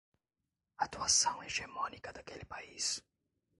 Atuação hegemônica daquele país